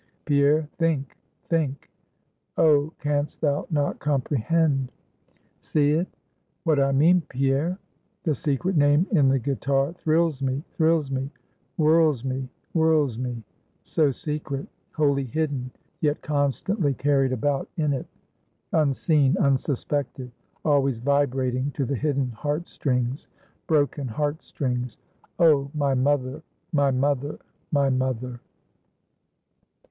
Pierre, think! think! Oh, canst thou not comprehend? see it? what I mean, Pierre? The secret name in the guitar thrills me, thrills me, whirls me, whirls me; so secret, wholly hidden, yet constantly carried about in it; unseen, unsuspected, always vibrating to the hidden heart strings broken heart strings; oh, my mother, my mother, my mother!"